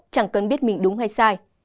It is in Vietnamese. chẳng cần biết mình đúng hay sai